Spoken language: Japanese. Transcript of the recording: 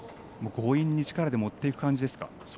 強引に力で持っていく感じですか。